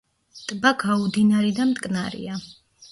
ტბა გაუდინარი და მტკნარია.